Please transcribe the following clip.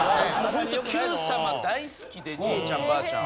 ホントに『Ｑさま！！』大好きでじいちゃんばあちゃん。